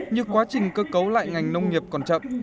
như quá trình cơ cấu lại ngành nông nghiệp còn chậm